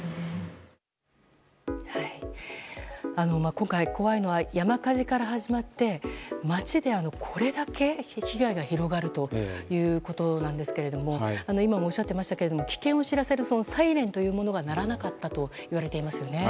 今回怖いのは山火事から始まって街ではこれだけ被害が広がるということなんですけれども今もおっしゃっていましたが危険を知らせるサイレンが鳴らなかったといわれていますよね。